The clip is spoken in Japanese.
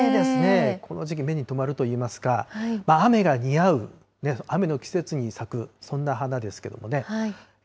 この時期、目に留まるといいますか、雨が似合う、雨の季節に咲く、そんな花ですけどもね。